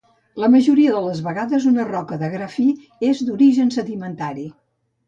La majoria de les vegades una roca de gra fi és d'origen sedimentari.